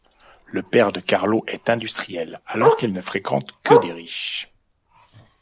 Le père de Carlo est industriel alors qu'elle ne fréquente que des riches.